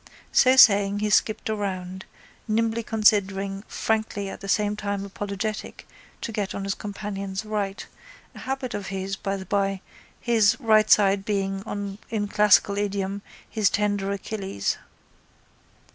So saying he skipped around, nimbly considering, frankly at the same time apologetic to get on his companion's right, a habit of his, by the bye, his right side being, in classical idiom, his tender Achilles.